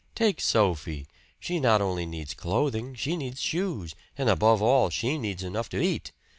Take Sophie. She not only needs clothing, she needs shoes, and above all, she needs enough to eat.